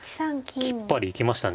きっぱり行きましたね。